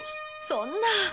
そんな。